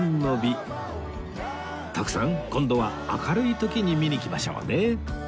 徳さん今度は明るい時に見に来ましょうね